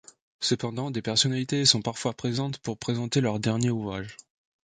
Cependant, des personnalités sont parfois présentes pour présenter leur dernier ouvrage.